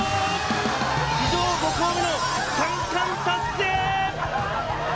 史上５校目の三冠達成！